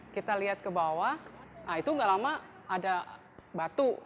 kita lihat ke bawah nah itu gak lama ada batu